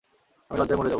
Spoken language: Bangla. আমি লজ্জায় মরে যাব।